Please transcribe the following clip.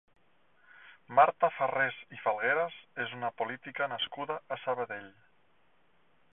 Marta Farrés i Falgueras és una política nascuda a Sabadell.